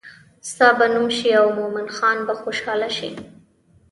ستا به نوم شي او مومن خان به خوشحاله شي.